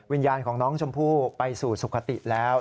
วิญญาณของน้องชมพู่ไปสู่สุขติแล้ว